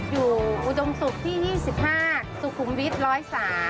อุดมศุกร์ที่๒๕สุขุมวิทย์๑๐๓